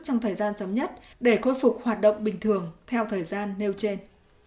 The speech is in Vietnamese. trong thời gian sớm nhất để khôi phục hoạt động bình thường theo thời gian nêu trên